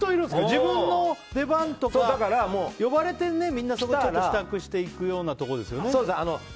自分の出番とか呼ばれて、みんな支度して行くようなところですよね。